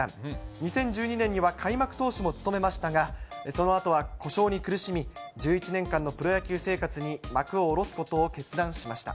２０１２年には開幕投手も務めましたが、そのあとは故障に苦しみ、１１年間のプロ野球生活に幕を下ろすことを決断しました。